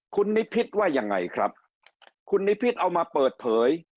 คุณนิพิษว่ายังไงครับคุณนิพิษเอามาเปิดเผย